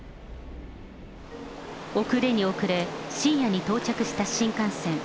遅れに遅れ、深夜に到着した新幹線。